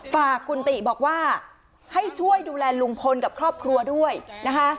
ฝากคุณติบอกว่าให้ช่วยดูแลลุงพลกับครอบครัวด้วยนะคะ